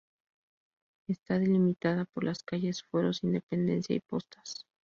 Está delimitada por las calles Fueros, Independencia y Postas.